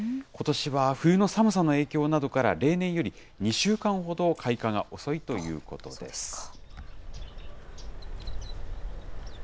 ことしは冬の寒さの影響などから、例年より２週間ほど開花が遅いということです。